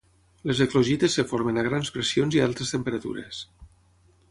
Les eclogites es formen a grans pressions i altes temperatures.